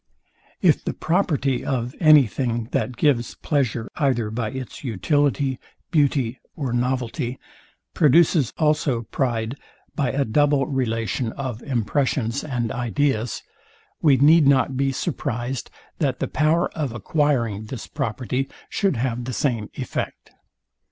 If the property of any thing, that gives pleasure either by its utility, beauty or novelty, produces also pride by a double relation of impressions and ideas; we need not be surprized, that the power of acquiring this property, should have the same effect.